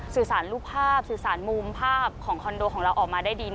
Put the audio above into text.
สื่อสารรูปภาพสื่อสารมุมภาพของคอนโดของเราออกมาได้ดี